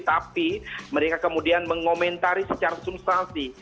tapi mereka kemudian mengomentari secara substansi